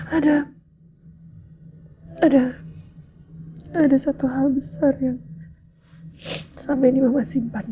ada ada ada satu hal besar yang sampai ini mama simpan